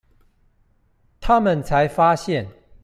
他們才發現